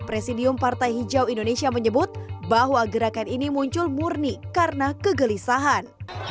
presidium partai hijau indonesia menyebut bahwa gerakan ini muncul murni karena kegelisahan